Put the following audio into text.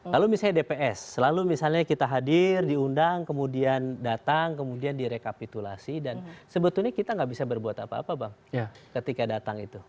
lalu misalnya dps selalu misalnya kita hadir diundang kemudian datang kemudian direkapitulasi dan sebetulnya kita nggak bisa berbuat apa apa bang ketika datang itu